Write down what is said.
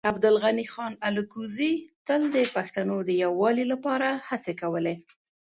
عبدالغني خان الکوزی تل د پښتنو د يووالي لپاره هڅې کولې.